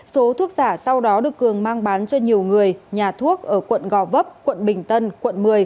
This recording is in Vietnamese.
số thuốc giả sau đó được cường mang bán cho nhiều người nhà thuốc ở quận gò vấp quận bình tân quận một mươi